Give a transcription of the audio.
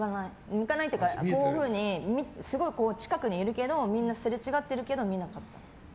向かないっていうかすごい近くにいるけどみんなすれ違ってるけど見なかった。